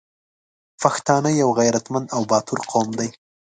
پښتانه یو غریتمند او باتور قوم دی